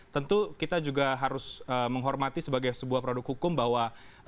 tentu kita juga harus menghormati sebagai sebuah produk hukum bahwa